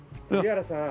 荻原さん。